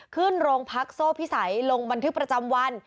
ขึ้นโรงพักโซ่พิสัยลงบันทึกประจำวัน